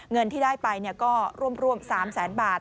เงินที่ได้ไปก็ร่วม๓แสนบาท